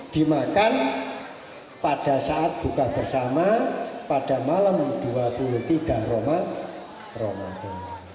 dan pada saat buka bersama pada malam dua puluh tiga roma roma itu